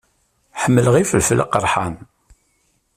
Ḥemmleɣ ifelfel aqerḥan.